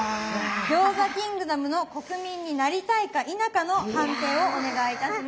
餃子キングダムの国民になりたいか否かの判定をお願いいたします。